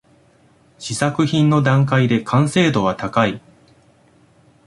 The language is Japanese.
試作品の段階で完成度は高い